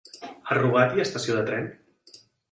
A Rugat hi ha estació de tren?